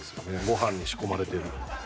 ご飯に仕込まれてる。